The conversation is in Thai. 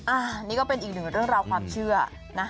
อันนี้ก็เป็นอีกหนึ่งเรื่องราวความเชื่อนะ